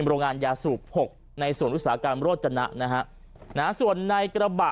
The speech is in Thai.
โรงงานยาสูบหกในส่วนอุตสาหกรรมโรจนะนะฮะส่วนในกระบะ